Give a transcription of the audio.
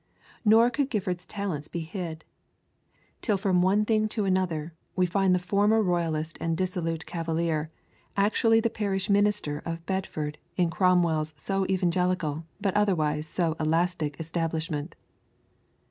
Nor could Gifford's talents be hid; till from one thing to another, we find the former Royalist and dissolute Cavalier actually the parish minister of Bedford in Cromwell's so evangelical but otherwise so elastic establishment.